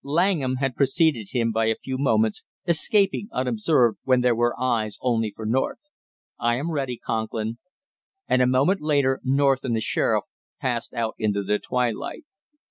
Langham had preceded him by a few moments, escaping unobserved when there were eyes only for North. "I am ready, Conklin." And a moment later North and the sheriff passed out into the twilight.